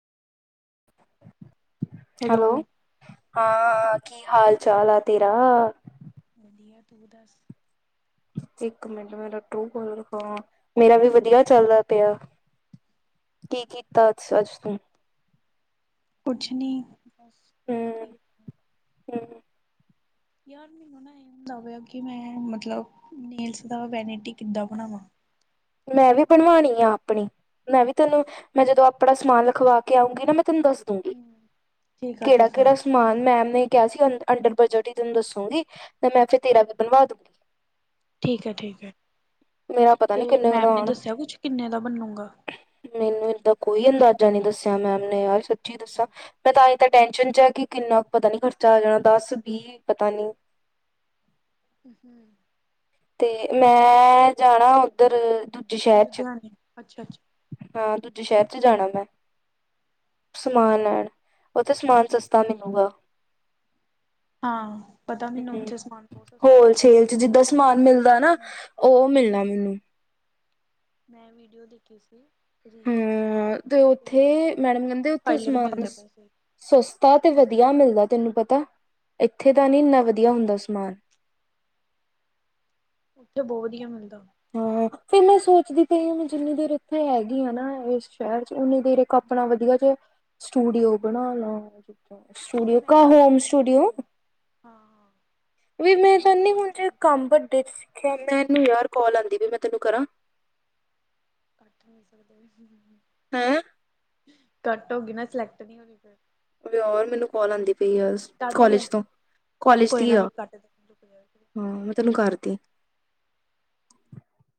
Hello ਹਾਂ। ਕੀ ਹਾਲ ਚਾਲ ਆ ਤੇਰਾ? ਵਧੀਆ ਤੂੰ ਦੱਸ? ਇੱਕ ਮਿੰਟ ਮੈਂ ਟਰੂਕੋਲਰ ਲੁਕਾਵਾਂ। ਮੇਰਾ ਵੀ ਵਧੀਆ ਚੱਲਦਾ ਤੇਰਾਂ ਕੀ ਕੀਤਾ ਅੱਜ ਤੂੰ? ਕੁਛ ਨੀ ਬਸ ਹੂੰ ਬੈਠੀ‌ ਆ। ਹੂੰ ਯਾਰ ਮੈਨੂੰ ਨਾ ਐ ਹੁੰਦਾ ਪਿਆ ਕੀ। ਕਿ- ਮੈਂ ਮਤਲਬ ਨੈਲਸ ਦਾ ਵੈਨਟੀ ਕਿੱਦਾਂ ਬਣਾਵਾਂ। ਮੈਂ ਵੀ ਬਣਵਾਣੀ ਆ ਆਪਣੀ। ਮੈਂ ਵੀ ਤੈਨੂੰ ਮੈਂ ਜਦੋਂ ਆਪਣਾ ਸਮਾਨ ਲਿਖਵਾ ਕੇ ਆਊਂਗੀ। ਨਾ ਮੈਂ ਤੈਨੂੰ ਦੱਸ ਦੂਗੀ, ਹਮ ਠੀਕ ਆ ਠੀਕ ਆ ਕਿਹੜਾ-ਕਿਹੜਾ ਸਮਾਨ ਮੈਮ ਨੇ ਕਿਹਾ ਸੀ ਅੰ ਅੰਡਰ ਬਜਟ ਹੀ ਤੈਨੂੰ ਦੱਸੂਗੀ। ਤੇ ਮੈਂ ਫਿਰ ਤੇਰਾ ਵੀ ਬਣਵਾ ਦੂੰਗੀ। ਠੀਕ ਹੈ- ਠੀਕ ਹੈ। ਮੇਰਾ ਪਤਾ ਤੇ ਨੀ ਕਿੰਨੇ ਕ ਮੈਮ ਨੇ ਆਉਣ। ਦੱਸਿਆ ਕੁਛ ਕਿੰਨੇ ਦਾ ਬਣੂਗਾ ਮੈਨੂੰ ਏਦਾਂ ਕੋਈ ਅੰਦਾਜ਼ਾ ਨੀ ਦੱਸਿਆ, ਮੈਮ ਨੇ ਯਾਰ ਸੱਚੀ ਠੀਕ ਆ ਦੱਸਾ। ਮੈਂ ਤਾਂ ਈ ਮੈਂ ਟੈਨਸ਼ਨ ਚ ਹੈ। ਕਿ ਕਿੰਨਾ ਪਤਾ ਨੀ ਖਰਚਾ ਆ ਜਾਣਾ ਦਸ- ਵੀਹ ਪਤਾ ਨੀ। ਹੂੰ ਤੇ, ਮੈਂ ਜਾਣਾ ਉੱਧਰ ਦੂਜੇ ਸ਼ਹਿਰ ਚ, ਲੁਧਿਆਣੇ ਅੱਛਾ ਅੱਛਾ ਹਾਂ ਦੂਜੇ ਸ਼ਹਿਰ ਚ ਜਾਣਾ। ਸਮਾਨ ਲੈਣ। ਉਥੇ ਸਮਾਨ ਠੀਕ ਸਸਤਾ ਆ ਮਿਲੂਗਾ। ਹਾਂ। ਪਤਾ ਮੈਨੂੰ ਹਮ ਉੱਥੇ ਸਮਾਨ ਬਹੁਤ ਸਸਤਾ ਮਿਲਦਾ। ਹਾਂ ਮਿਲਦਾ ਹਮ ਨਾ। ਹਮ ਉਹ ਮਿਲਣਾ ਮੈਨੂੰ ਮੈਂ ਵੀਡੀਓ ਦੇਖੀ ਸੀ। ਰੀਲ ਸਕਰੋਲ ਕਰਨ ਹਾਂ ਤੇ ਦੇ ਉੱਥੇ ਵੀਹ ਮੈਡਮ ਵੀਹ ਕਹਿੰਦੇ ਦੇ ਉੱਥੇ ਫਾਈਲ ਦੇ ਵੀ ਸਮਾਨ ਮਿਲਦੇ ਆ ਪੈਸੇ। ਸਸਤਾ ਤੇ ਵਧੀਆ ਮਿਲਦਾ ਤੈਨੂੰ ਪਤਾ ਇੱਥੇ ਤਾਂ ਨਈ ਹਾਂ ਏਨਾਂ ਵਧੀਆ ਹੁੰਦਾ ਸਮਾਨ। ਤੇਂ ਬਹੁਤ ਵਧੀਆ ਮਿਲਦਾ। ਹਾਂ! ਫਿਰ ਮੈਂ ਸੋਚਦੀ ਪਈ ਆ ਮੈਂ ਜਿੰਨੀ ਦੇਰ ਇੱਥੇ ਹੈਗੀ ਆ ਹਨਾਂ ਏਸ ਸ਼ਹਿਰ ਚ। ਉਹਨੇ ਦੇਰ ਇੱਕ ਆਪਣਾ ਵਧੀਆ ਜਾ ਸਟੂਡੀਓ ਬਣਾ ਲਵਾਗੇ। ਹਾਂ! ਮੈਂ ਵੀ ਸੋਚਦੀ ਪਈ ਆ ਹਾਂ - ਹਾਂ। ਓਏ ਮੈਂ ਵੀ ਚਾਨੀ ਜੇ ਸੋਚਦੀ ਕੰਮ ਵੱਡੇ ਚ ਸਿੱਖਿਆ, ਮੈਨੂੰ ਅਸੀਂ ਯਾਰ ਕੌਲ ਆਂਦੀ। ਜੇ, ਮੈਂ ਤੈਨੂੰ ਕਰਾਂ ਕੱਠ ਹੋ ਸਕਦਾ ਏ, ਹੂੰ-ਹੂੰ-ਹੂੰ। ਹੈਅ। ਕੱਟ ਹੋ ਗੀ ਨਾ ਸਿਲੈਕਟ ਨਹੀਂ ਹੋਣੀ ਫ਼ਿਰ। ਵਿਆਂਣ, ਮੈਨੂੰ ਕੌਲ ਆਦੀ ਪਈ ਆ ਸ ਕਾਹਦੀ ਹੈ ਕੋਲੇਜ ਤੋਂ ਕੋਲੇਜ ਕੋਈ ਦੀ ਨਾ ਆ। ਫਿਰ ਕੱਟ ਦੇ ਰੁਕ ਜਾ। ਹੂੰ! ਮੈਂ ਤੈਨੂੰ ਕਰਤੀ।